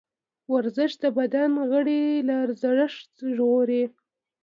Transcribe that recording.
ورزش د بدن غړي له زړښت ژغوري.